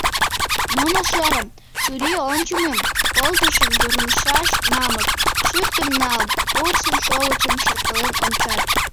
Нуно шерым, чурийончымым, полдышым, тӱрлышаш мамык шӱртым налыт, порсын шовычым шаркален ончат.